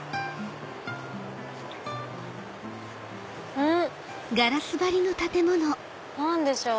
うん！何でしょう？